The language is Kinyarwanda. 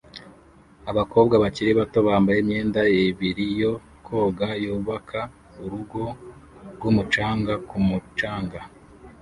Abakobwa bakiri bato bambaye imyenda ibiri yo koga yubaka urugo rwumucanga ku mucanga